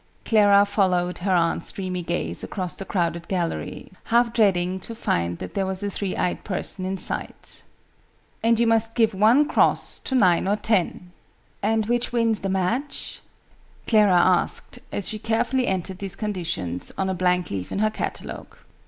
Clara followed her aunt's dreamy gaze across the crowded gallery, half dreading to find that there was a three eyed person in sight. "And you must give one cross to nine or ten." "And which wins the match?" Clara asked, as she carefully entered these conditions on a blank leaf in her catalogue.